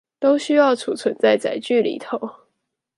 都需要儲存在載具裏頭